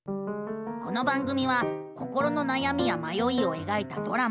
この番組は心のなやみやまよいをえがいたドラマ。